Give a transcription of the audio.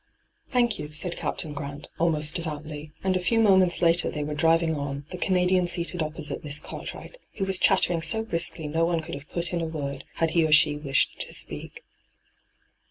' Thank you,' said Captain Grant almost devoutiy, and a few moments later they were driving on, the Canadian seated opposite Miss Cartwright, who was chattering so briskly no one could have put in a word, had he or she wished to speak.